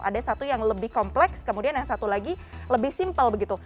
ada satu yang lebih kompleks kemudian yang satu lagi lebih simpel begitu